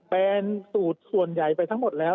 สูตรส่วนใหญ่ไปทั้งหมดแล้ว